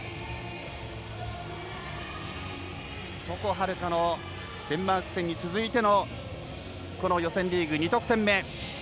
床秦留可のデンマーク戦に続いてのこの予選リーグ２得点目。